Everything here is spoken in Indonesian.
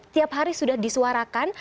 tiap hari sudah disuarakan